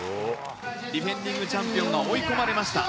ディフェンディングチャンピオンが追い込まれました。